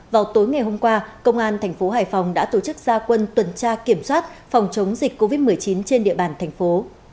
vào tối ngày hôm qua công an thành phố hải phòng đã tổ chức gia quân tuần tra kiểm soát phòng chống dịch covid một mươi chín trên địa bàn thành phố